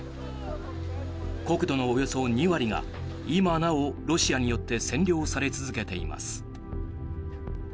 国土のおよそ２割が今なお、ロシアによって占領され続けています。